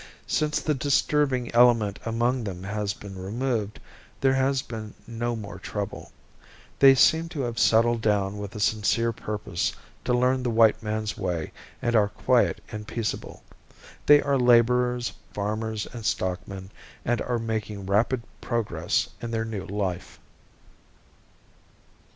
Since the disturbing element among them has been removed there has been no more trouble. They seem to have settled down with a sincere purpose to learn the white man's way and are quiet and peaceable. They are laborers, farmers and stockmen and are making rapid progress in their new life.